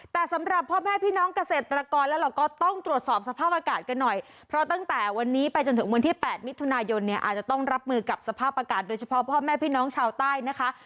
แต่สำหรับพ่อแม่พี่น้องเกษตรกรแล้วเราก็ต้องตรวจสอบสภาพอากาศกันหน่อยเพราะตั้งแต่วันนี้ไปจนถึงวันที่๘มิถุนายนเนี่ยอาจจะต้องรับมือกับสภาพอากาศโดยเฉพาะพ่อแม่พี่น้องชาวใต้นะคะ